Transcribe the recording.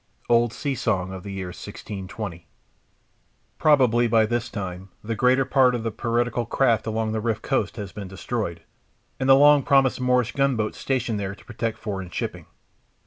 OLD SEA SONG OF THE YEAR 1620. Probably by this time the greater part of the piratical craft along the Riff coast has been destroyed, and the long promised Moorish gunboat stationed there to protect foreign shipping.